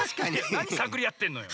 なにさぐりあってんのよ。